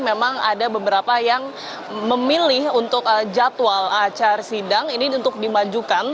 memang ada beberapa yang memilih untuk jadwal acara sidang ini untuk dimajukan